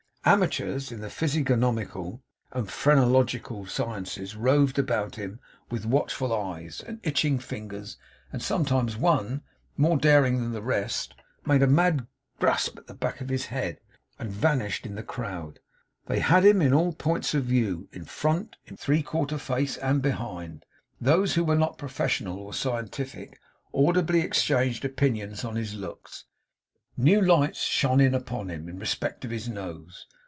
Amateurs in the physiognomical and phrenological sciences roved about him with watchful eyes and itching fingers, and sometimes one, more daring than the rest, made a mad grasp at the back of his head, and vanished in the crowd. They had him in all points of view: in front, in profile, three quarter face, and behind. Those who were not professional or scientific, audibly exchanged opinions on his looks. New lights shone in upon him, in respect of his nose.